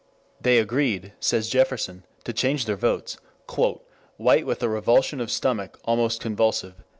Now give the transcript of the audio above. They agreed, says Jefferson, to change their votes, "White with a revulsion of stomach almost convulsive."